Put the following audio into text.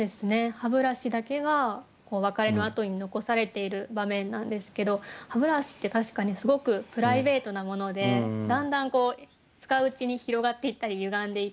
歯ブラシだけが別れのあとに残されている場面なんですけど歯ブラシって確かにすごくプライベートなものでだんだんこう使ううちに広がっていったりゆがんでいったりする。